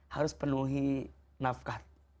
harus penuhi nafkah